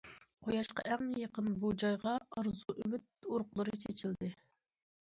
قۇياشقا ئەڭ يېقىن بۇ جايغا ئارزۇ- ئۈمىد ئۇرۇقلىرى چېچىلدى.